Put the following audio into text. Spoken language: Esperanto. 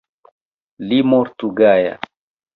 Li mortu gaja.